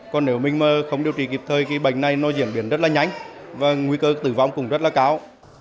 còn nếu mình mà không điều trị kịp thời thì bệnh này nó diễn biến rất là nhanh và nguy cơ tử vong cũng rất là cao